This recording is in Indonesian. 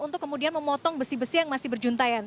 untuk kemudian memotong besi besi yang masih berjuntayan